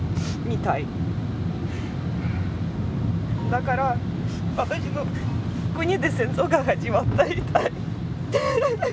だから私の国で戦争が始まったみたい。